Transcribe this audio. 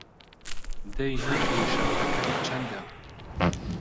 دەی نرخی شەپکەکەت چەندە!